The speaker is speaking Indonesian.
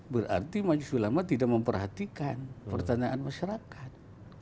berarti maju sulamah tidak memperhatikan pertanyaan masyarakat